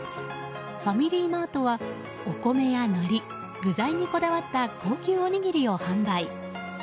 ファミリーマートはお米やのり具材にこだわった高級おにぎりを販売。